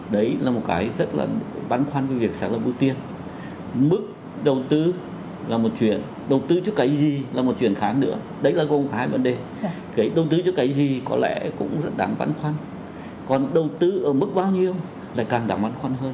đấy là một cái rất là băn khoăn về việc sản xuất ưu tiên mức đầu tư là một chuyện đầu tư cho cái gì là một chuyện khác nữa đấy là gồm hai vấn đề đầu tư cho cái gì có lẽ cũng rất đáng băn khoăn còn đầu tư ở mức bao nhiêu lại càng đáng khoăn hơn